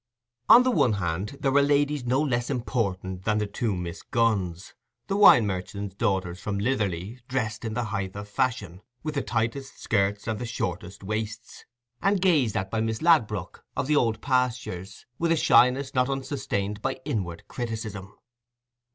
On the one hand, there were ladies no less important than the two Miss Gunns, the wine merchant's daughters from Lytherly, dressed in the height of fashion, with the tightest skirts and the shortest waists, and gazed at by Miss Ladbrook (of the Old Pastures) with a shyness not unsustained by inward criticism.